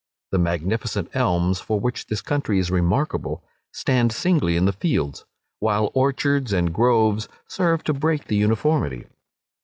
The magnificent elms, for which this country is remarkable, stand singly in the fields; while orchards and groves serve to break the uniformity.